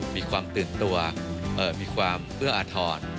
มีความตื่นตัวมีความเอื้ออาทร